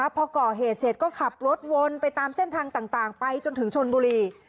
พอก่อเหตุเสร็จก็ขับรถวนไปตามเส้นทางต่างไปจนถึงชนบุรี